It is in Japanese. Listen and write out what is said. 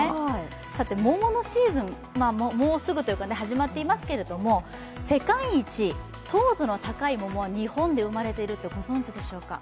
さて桃のシーズン、もうすぐというか始まっていますけど、世界一糖度の高い桃は日本で生まれてるってご存じでしょうか。